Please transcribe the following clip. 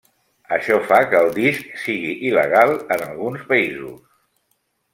Això fa que el disc sigui il·legal en alguns països.